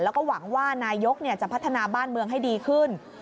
แล้วก็หวังว่านายกจะพัฒนาบ้านเมืองให้ดีขึ้น